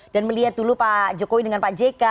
dan melihat dulu pak jokowi dengan pak jk